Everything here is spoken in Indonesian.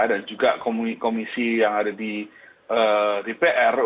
dan juga komisi yang ada di pnu